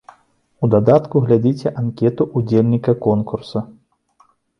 У дадатку глядзіце анкету ўдзельніка конкурса.